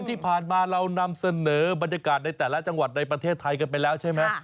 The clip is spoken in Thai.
ที่ผ่านมาเรานำเสนอบรรยากาศในแต่ละจังหวัดในประเทศไทยกันไปแล้วใช่ไหม